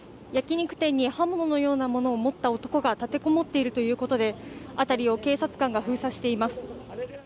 焼き肉店に刃物のようなものを持った男が立て籠もっているということで、辺りを警察官が封鎖しています。